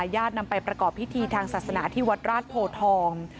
ญาตินำไปประกอบพิธีทางศาสนาที่วัดราชโพทอง